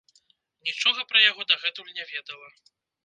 Нічога пра яго дагэтуль не ведала.